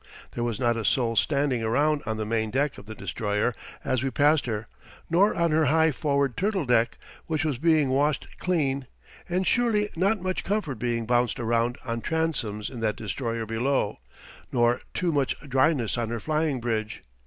There was not a soul standing around on the main deck of the destroyer as we passed her, nor on her high forward turtle deck, which was being washed clean; and surely not much comfort being bounced around on transoms in that destroyer below, nor too much dryness on her flying bridge.